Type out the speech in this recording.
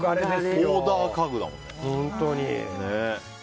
オーダー家具だもんね。